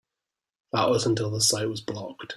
That was until the site was blocked.